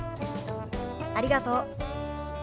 ありがとう。